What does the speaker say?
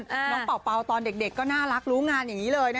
น้องเป่าเป่าตอนเด็กก็น่ารักรู้งานอย่างนี้เลยนะคะ